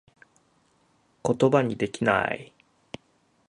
ことばにできなぁい